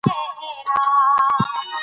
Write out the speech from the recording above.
موږ باید په لیکلو کې د ژبې اصول مراعت کړو